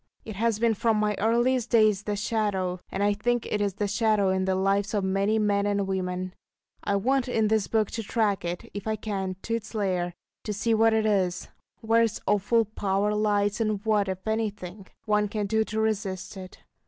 It has been from my earliest days the Shadow; and I think it is the shadow in the lives of many men and women. I want in this book to track it, if I can, to its lair, to see what it is, where its awful power lies, and what, if anything, one can do to resist it.